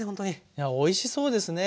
いやおいしそうですね。